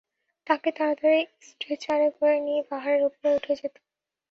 তাকে তাড়াতাড়ি স্ট্রেচারে করে নিয়ে পাহাড়ের উপরে উঠে যেতে।